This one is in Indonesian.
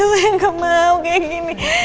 saya tidak mau seperti ini